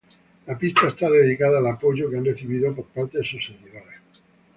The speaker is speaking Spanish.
La pista está dedicado al apoyo que han recibido por parte de sus seguidores.